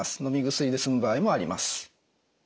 薬で済む場合もあります。